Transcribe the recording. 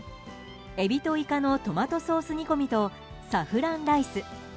エビとイカのトマトソース煮込みとサフランライス。